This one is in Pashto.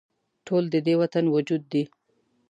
ټول د دې وطن وجود دي